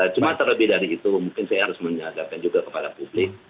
cuma terlebih dari itu mungkin saya harus menyadarkan juga kepada publik